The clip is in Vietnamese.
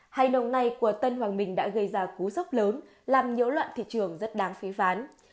hay nồng này của tân hoàng minh đã gây ra cú sốc lớn làm nhỡ loạn thị trường rất đáng phí phán